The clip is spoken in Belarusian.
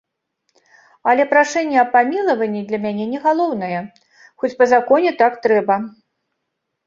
Але прашэнне аб памілаванні для мяне не галоўнае, хоць па законе так трэба.